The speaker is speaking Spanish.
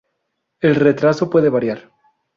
El retraso puede variar.